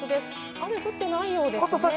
雨降っていないようです。